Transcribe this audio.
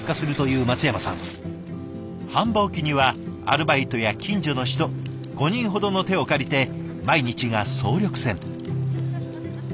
繁忙期にはアルバイトや近所の人５人ほどの手を借りて毎日が総力戦。